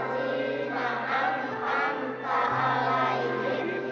syirotol lazimah antah alaihim